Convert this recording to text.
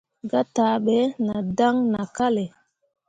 Gataaɓe nah dan nah kalle.